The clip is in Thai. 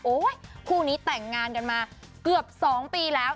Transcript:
คู่นี้แต่งงานกันมาเกือบ๒ปีแล้ว